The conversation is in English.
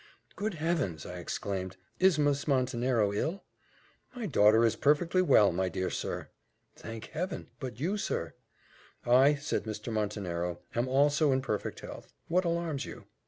"Good Heavens!" I exclaimed, "is Miss Montenero ill?" "My daughter is perfectly well, my dear sir." "Thank Heaven! But you, sir?" "I," said Mr. Montenero, "am also in perfect health. What alarms you?"